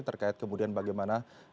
terkait kemudian bagaimana